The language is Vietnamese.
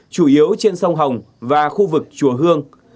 chủ yếu trên sông hồng và khu vực chùa hương